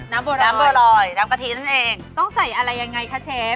โบราณน้ำบัวลอยน้ำกะทินั่นเองต้องใส่อะไรยังไงคะเชฟ